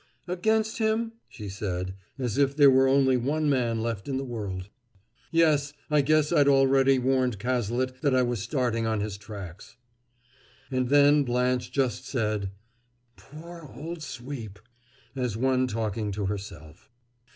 "Against him?" she said, as if there was only one man left in the world. "Yes I guess I'd already warned Cazalet that I was starting on his tracks." And then Blanche just said, "Poor old Sweep!" as one talking to herself.